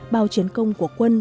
bao chiến công của quân